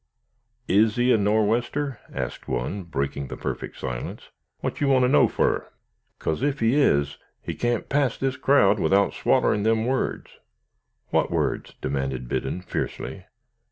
"Is he a Nor'wester?" asked one, breaking the perfect silence. "What you want to know fur?" "'Cause if he is, he can't pass this crowd without swallerin' them words." "What words?" demanded Biddon, fiercely.